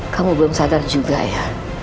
kamu belum sadar juga ya